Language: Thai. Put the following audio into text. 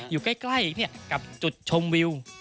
อยู่ใกล้กับจุดชมวิว